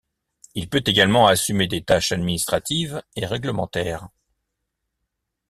Il peut également assumer des tâches administratives et réglementaires.